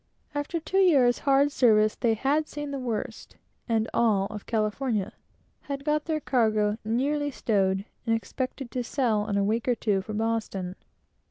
After two years' hard service, they had seen the worst, and all, of California; had got their cargo nearly stowed, and expected to sail in a week or two, for Boston.